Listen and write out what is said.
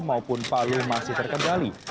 maupun palu masih terkendali